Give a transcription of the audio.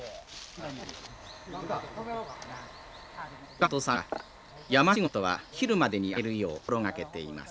岡本さんは山仕事はお昼までに上げるよう心がけています。